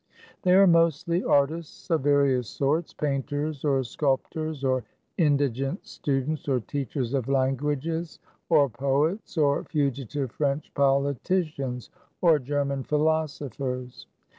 They are mostly artists of various sorts; painters, or sculptors, or indigent students, or teachers of languages, or poets, or fugitive French politicians, or German philosophers.